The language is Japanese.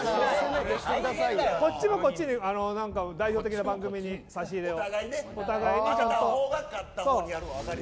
こっちはこっちで代表的な番組に差し入れを、お互いに。